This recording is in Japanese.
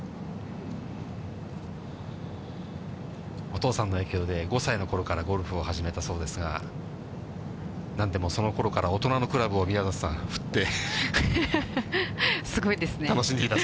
お父さんの影響で、５歳のころからゴルフを始めたそうですが、なんでもそのころから大人のクラブを、宮里さん、振って。